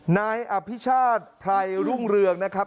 นายอภิชาติไพรรุ่งเรืองนะครับ